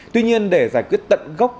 tuy nhiên để giải quyết tận gốc